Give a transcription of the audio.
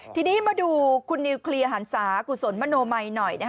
ทีนี้มาดูคุณนิวเคลียร์หันศากุศลมโนมัยหน่อย